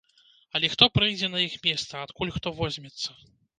Але хто прыйдзе на іх месца, адкуль хто возьмецца?